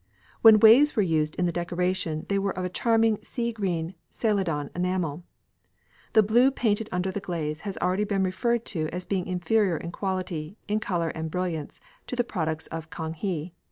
When waves were used in the decoration they were of a charming sea green Celadon enamel. The blue painted under the glaze has already been referred to as being inferior in quality, in colour and brilliance to the products of Kang he.